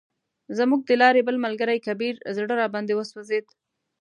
زموږ د لارې بل ملګری کبیر زړه راباندې وسوځید.